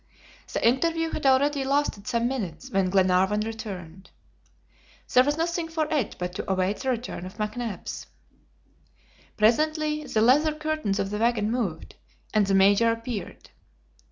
The interview had already lasted some minutes when Glenarvan returned. There was nothing for it but to await the return of McNabbs. Presently the leather curtains of the wagon moved, and the Major appeared.